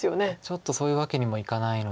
ちょっとそういうわけにもいかないので。